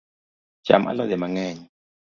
Cham alode mang’eny